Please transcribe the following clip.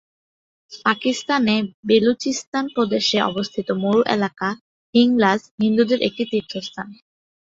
পাকিস্তানে বেলুচিস্তান প্রদেশে অবস্থিত মরু এলাকা 'হিংলাজ' হিন্দুদের একটি তীর্থস্থান।